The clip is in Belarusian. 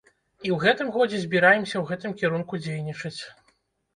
І ў гэтым годзе збіраемся ў гэтым кірунку дзейнічаць.